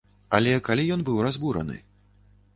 Але калі ён быў разбураны?